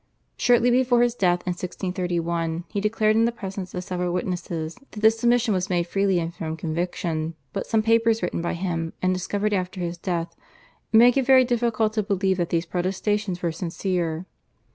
Shortly before his death in 1631 he declared in the presence of several witnesses that this submission was made freely and from conviction, but some papers written by him and discovered after his death make it very difficult to believe that these protestations were sincere.